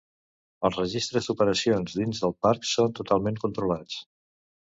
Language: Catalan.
Els registres d'operacions dins del parc són totalment controlats.